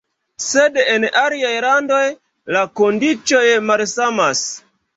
Sed en aliaj landoj la kondiĉoj malsamas.